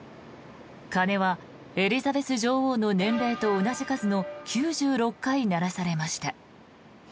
鐘はエリザベス女王の年齢と同じ数の９６回鳴らされました。